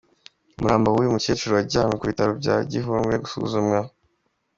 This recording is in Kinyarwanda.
Umurambo w’uyu mukecuru wajyanywe ku bitaro bya Gihundwe gusuzumwa.